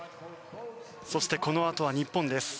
そして、このあとは日本です。